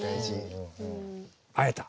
会えた？